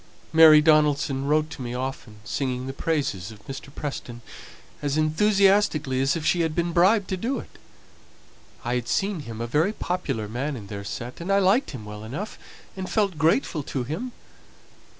Mary Donaldson wrote to me often, singing the praises of Mr. Preston as enthusiastically as if she had been bribed to do it. I had seen him a very popular man in their set, and I liked him well enough, and felt grateful to him.